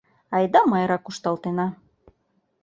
Айда, Майра, кушталтена!